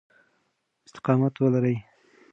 استقامت ولرئ.